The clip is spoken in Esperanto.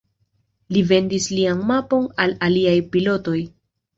Li vendis lian mapon al aliaj pilotoj.